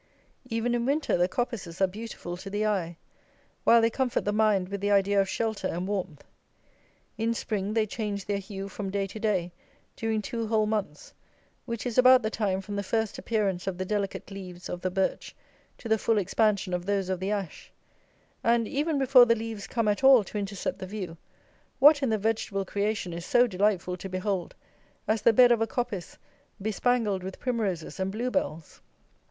Even in winter the coppices are beautiful to the eye, while they comfort the mind with the idea of shelter and warmth. In spring they change their hue from day to day during two whole months, which is about the time from the first appearance of the delicate leaves of the birch to the full expansion of those of the ash; and, even before the leaves come at all to intercept the view, what in the vegetable creation is so delightful to behold as the bed of a coppice bespangled with primroses and blue bells?